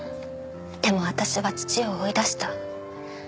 でも私は父を追い出した。